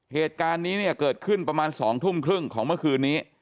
เหตุการณ์นี้เนี่ยเกิดขึ้นประมาณ๒ทุ่มครึ่งของเมื่อคืนนี้